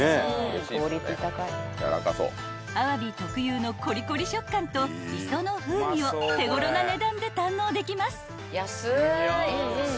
［あわび特有のコリコリ食感と磯の風味を手頃な値段で堪能できます］